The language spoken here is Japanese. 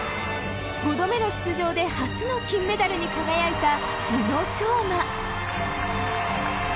５度目の出場で初の金メダルに輝いた宇野昌磨。